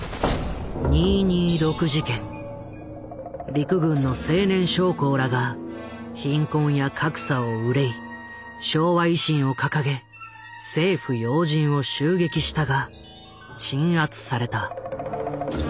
陸軍の青年将校らが貧困や格差を憂い「昭和維新」を掲げ政府要人を襲撃したが鎮圧された。